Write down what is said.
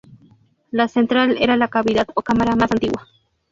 La central era la cavidad o cámara más antigua.